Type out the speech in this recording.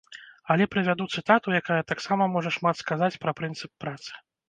Але прывяду цытату, якая таксама можа шмат сказаць пра прынцып працы.